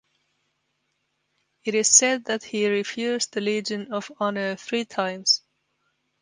It is said that he refused the Legion of Honor three times.